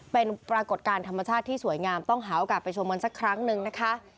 เป็นปรากฏการณ์ธรรมชาติที่สวยงามต้องหาโอกาสไปชมกันสักครั้งหนึ่งนะคะ